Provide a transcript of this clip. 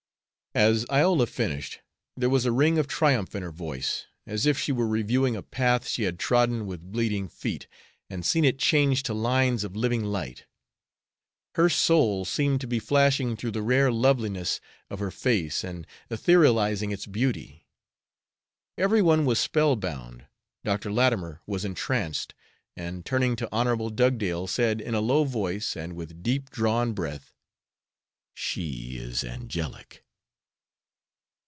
As Iola finished, there was a ring of triumph in her voice, as if she were reviewing a path she had trodden with bleeding feet, and seen it change to lines of living light. Her soul seemed to be flashing through the rare loveliness of her face and etherealizing its beauty. Every one was spell bound. Dr. Latimer was entranced, and, turning to Hon. Dugdale, said, in a low voice and with deep drawn breath, "She is angelic!"